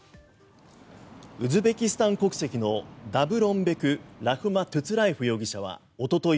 ウズベキスタン国籍のダヴロンベク・ラフマトゥッラエフ容疑者はおととい